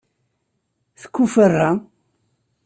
Tekuferra?